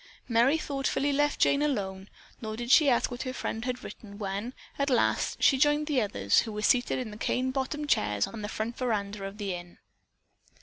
Merry thoughtfully left Jane alone, nor did she ask what her friend had written when, at last, she joined the others, who were seated in the cane bottomed chairs on the front veranda of the inn.